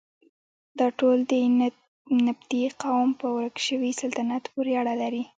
دا ټول د نبطي قوم په ورک شوي سلطنت پورې اړه لري.